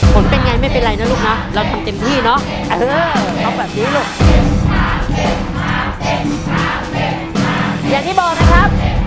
ผลเป็นไงไม่เป็นไรนะลูกนะเราทำเต็มที่เนอะ